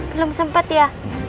belum sempat ya